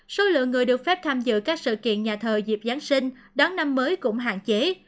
số lượng người được phép tham dự các sự kiện nhà thờ dịp giáng sinh đón năm mới cũng hạn chế